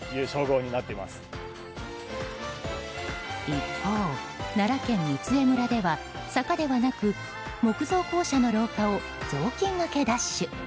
一方、奈良県御杖村では坂ではなく木造校舎の廊下を雑巾がけダッシュ。